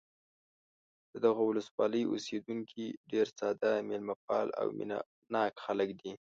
د دغه ولسوالۍ اوسېدونکي ډېر ساده، مېلمه پال او مینه ناک خلک دي.